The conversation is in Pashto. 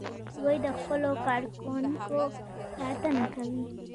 دوی د خپلو کارکوونکو ساتنه کوي.